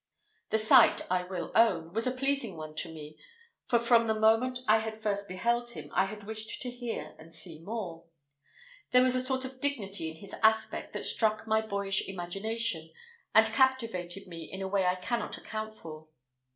The sight, I will own, was a pleasing one to me, for from the moment I had first beheld him I had wished to hear and see more. There was a sort of dignity in his aspect that struck my boyish imagination, and captivated me in a way I cannot account for.